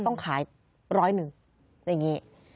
ต้องขายร้อยหนึ่งอย่างนี้